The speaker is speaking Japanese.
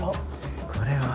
これは。